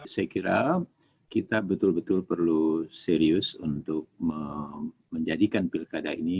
saya kira kita betul betul perlu serius untuk menjadikan pilkada ini